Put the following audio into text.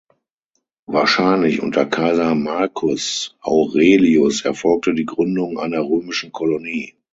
Wahrscheinlich unter Kaiser Marcus Aurelius erfolgte die Gründung einer römischen Kolonie.